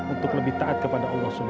untuk lebih taat kepada allah swt